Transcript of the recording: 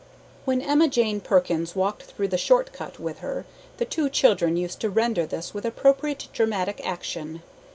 When Emma Jane Perkins walked through the "short cut" with her, the two children used to render this with appropriate dramatic action.